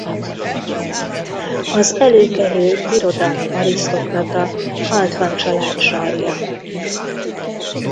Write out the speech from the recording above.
Az előkelő birodalmi arisztokrata Althan család sarja.